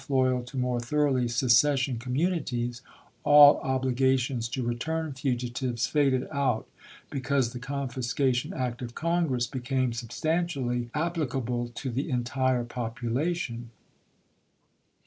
loyal to more thoroughly secession communities, all obligations to return fugitives faded out, be cause the confiscation act of Congress became sub stantially applicable to the entire population.